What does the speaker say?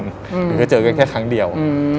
หรือก็เจอกันแค่ครั้งเดียว